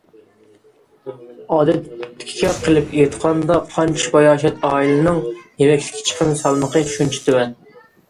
ئادەتتىكىچە قىلىپ ئېيتقاندا، قانچە باياشات ئائىلىنىڭ يېمەكلىك چىقىم سالمىقى شۇنچە تۆۋەن.